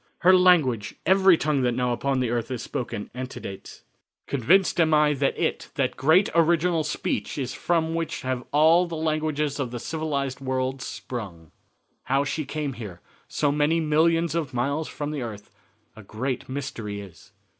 Her language every tongue that now upon the earth is spoken antedates. Convinced am I that it that great original speech is from which have all the languages of the civilized world sprung." "How she here came, so many millions of miles from the earth, a great mystery is.